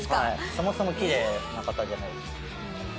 そもそもきれいな方じゃないですか。